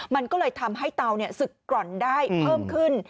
มันก็เลยทำให้เตาสึกกร่อนได้เพิ่มขึ้น